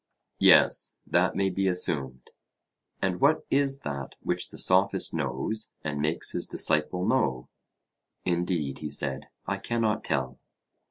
Yes, that may be assumed. And what is that which the Sophist knows and makes his disciple know? Indeed, he said, I cannot tell.